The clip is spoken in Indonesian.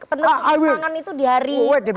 kekembangan itu di hari h itu